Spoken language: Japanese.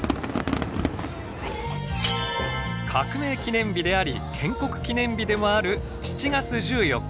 革命記念日であり建国記念日でもある７月１４日。